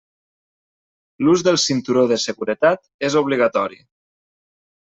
L'ús del cinturó de seguretat és obligatori.